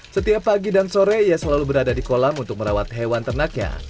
setiap pagi dan sore ia selalu berada di kolam untuk merawat hewan ternaknya